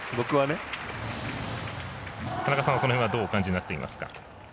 田中さんはその辺どうお感じになっていますか。